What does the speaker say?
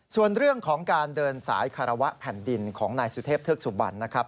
ส่วนเรื่องของการเดินสายคารวะแผ่นดินของนายสุเทพเทือกสุบันนะครับ